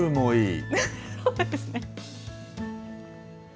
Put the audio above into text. そうですね。